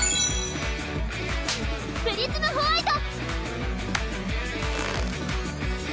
プリズムホワイト！